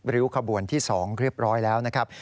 ริ้วขบวนที่๒เรียบร้อยแล้วนะครับ